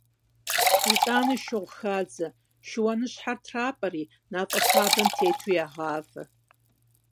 ИтӀанэ шыгъу хадзэ, шыуаныщхьэр трапӀэри, мафӀэ щабэм тету ягъавэ.